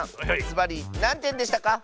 ずばりなんてんでしたか？